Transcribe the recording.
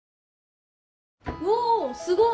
おーすごっ。